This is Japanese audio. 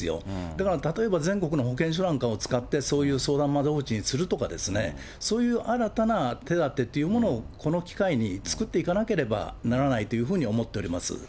だから例えば全国の保健所などを使って、そういう相談窓口にするとかですね、そういう新たな手立てというものをこの機会に作っていかなければならないというふうに思っております。